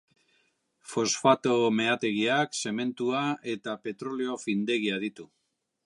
Fosfato meategiak, zementua eta petrolio findegia ditu.